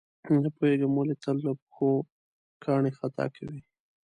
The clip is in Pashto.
نه پوهېږم ولې تل له پښو کاڼي خطا کوي.